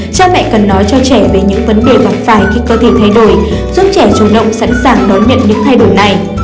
cha mẹ cần nói cho trẻ về những vấn đề gặp phải khi cơ thể thay đổi giúp trẻ chủ động sẵn sàng đón nhận những thay đổi này